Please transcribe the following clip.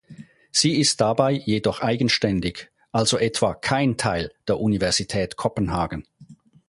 Sie ist dabei jedoch eigenständig, also etwa kein Teil der Universität Kopenhagen.